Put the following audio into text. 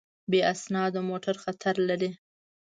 بې اسنادو موټر خطر لري.